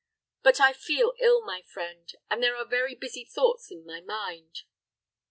But I feel ill, my friend, and there are very busy thoughts in my mind."